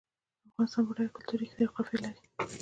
افغانستان بډایه کلتوري جغرافیه لري